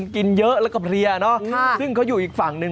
กินเยอะแล้วก็เพลียเนอะซึ่งเขาอยู่อีกฝั่งหนึ่ง